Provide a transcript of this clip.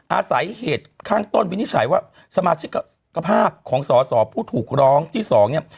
อาศัยเหตุข้างต้นวินิจฉัยว่าสมาชิกภาพของสอสอผู้ถูกร้องที่สองเนี่ย